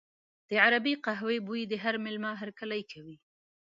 د عربي قهوې بوی د هر مېلمه هرکلی کوي.